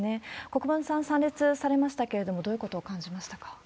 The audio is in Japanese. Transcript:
国分さん、参列されましたけれども、どういうことを感じましたか？